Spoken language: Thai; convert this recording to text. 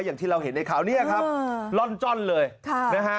อย่างที่เราเห็นในข่าวนี้ครับร่อนจ้อนเลยนะฮะ